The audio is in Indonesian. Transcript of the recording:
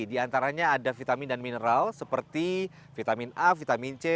di antaranya ada vitamin dan mineral seperti vitamin a vitamin c